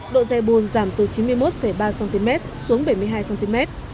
độ dây bùn giảm từ chín mươi một ba cm xuống bảy mươi hai cm